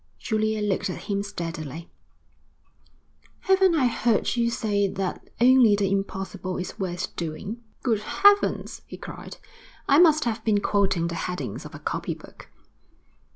Julia looked at him steadily. 'Haven't I heard you say that only the impossible is worth doing?' 'Good heavens,' he cried. 'I must have been quoting the headings of a copy book.'